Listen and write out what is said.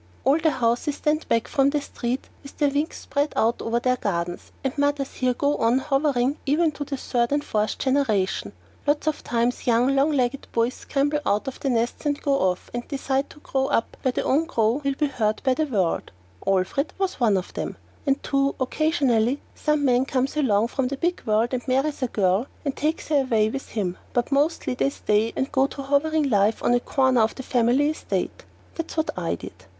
All the houses stand back from the street with their wings spread out over their gardens, and mothers here go on hovering even to the third and fourth generation. Lots of times young, long legged boys scramble out of the nests and go off and decide to grow up where their crow will be heard by the world. Alfred was one of them. And, too, occasionally some man comes along from the big world and marries a girl and takes her away with him, but mostly they stay and go to hovering life on a corner of the family estate. That's what I did.